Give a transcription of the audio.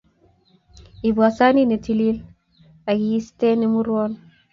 ibwo sanit netilil ak iiste ne murwon